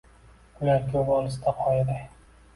Ular ko‘p olisda, qoyaday